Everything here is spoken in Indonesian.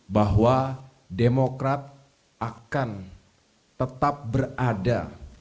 bahwa demokrat akan tetap berada